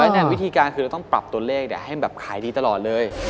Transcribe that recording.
แต่วิธีการคือเราต้องปรับตัวเลขให้แบบขายดีตลอดเลย